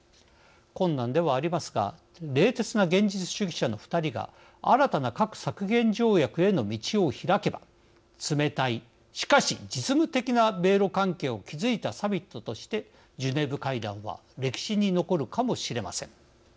困難ではありますが冷徹な現実主義者の２人が新たな核削減条約への道を開けば冷たい、しかし実務的な米ロ関係を築いたサミットとしてジュネーブ会談は歴史に残るかもしれません。